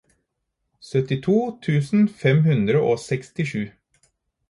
syttito tusen fem hundre og sekstisju